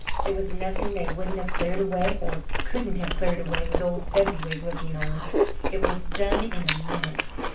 There was nothing they wouldn't have cleared away, or couldn't have cleared away with old Fezziwig looking on. It was done in a minute.